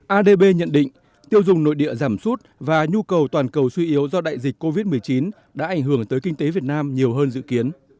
adb nhận định tiêu dùng nội địa giảm sút và nhu cầu toàn cầu suy yếu do đại dịch covid một mươi chín đã ảnh hưởng tới kinh tế việt nam nhiều hơn dự kiến